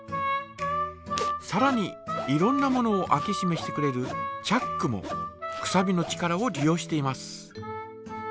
さらにいろんなものを開けしめしてくれるチャックもくさびの力を利用しています。